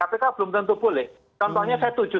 kpk belum tentu boleh contohnya saya